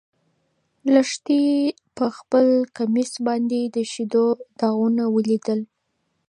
لښتې په خپل کمیس باندې د شيدو داغونه ولیدل.